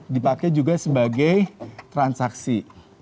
dipakai juga sebagai transaksi